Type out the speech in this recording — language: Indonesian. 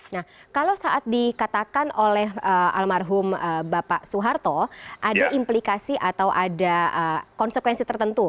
nah kalau saat dikatakan oleh almarhum bapak soeharto ada implikasi atau ada konsekuensi tertentu